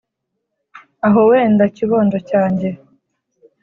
Aho wenda kibondo cyange